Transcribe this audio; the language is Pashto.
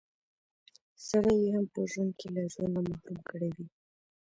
سړی يې هم په ژوند کښې له ژونده محروم کړی وي